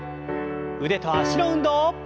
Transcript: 腕と脚の運動。